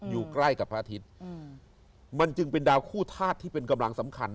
อยู่ใกล้กับพระอาทิตย์มันจึงเป็นดาวคู่ธาตุที่เป็นกำลังสำคัญ